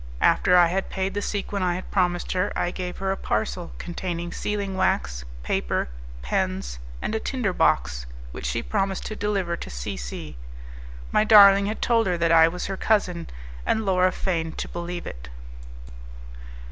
After I had paid the sequin I had promised her, I gave her a parcel containing sealing wax, paper, pens, and a tinder box, which she promised to deliver to C C . My darling had told her that I was her cousin, and Laura feigned to believe it.